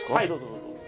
どうぞ。